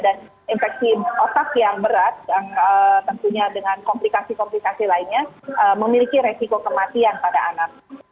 dan infeksi otak yang berat tentunya dengan komplikasi komplikasi lainnya memiliki resiko kematian pada anak